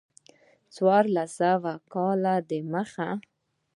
څوارلس سوه کاله د مخه.